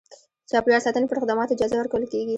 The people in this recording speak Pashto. د چاپیریال ساتنې پر خدماتو جایزه ورکول کېږي.